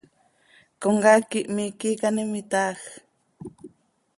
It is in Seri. ¿Comcaac quih miiqui icaanim itaaj?